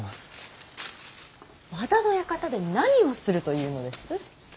和田の館で何をするというのです。